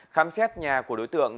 khám xét nhà của đối tượng